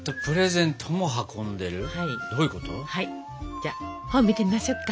じゃあ本見てみましょうか。